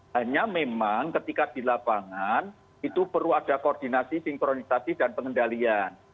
hanya memang ketika di lapangan itu perlu ada koordinasi sinkronisasi dan pengendalian